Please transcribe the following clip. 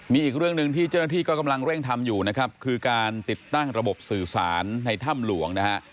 มีอีกเรื่องหนึ่งที่เจ้าหน้าที่ก็กำลังเร่งทำอยู่นะครับคือการติดตั้งระบบสื่อสารในถ้ำหลวงนะฮะ